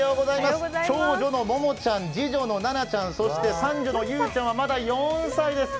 長女のももちゃん、次女のななちゃんそして三女のゆうちゃんはまだ４歳です。